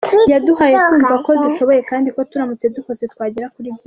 Yaduhaye kumva ko dushoboye kandi ko turamutse dukoze twagera kuri byinshi.